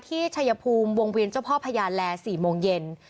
ที่ชัยภูมิวงวิทย์เจ้าพ่อพญาแลสี่โมงเย็น